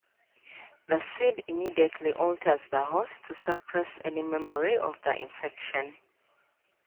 The "seed" immediately alters the host to suppress any memory of the infection.